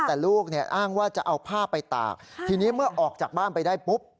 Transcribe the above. แต่ลูกเนี่ยอ้างว่าจะเอาผ้าไปตากทีนี้เมื่อออกจากบ้านไปได้ปุ๊บ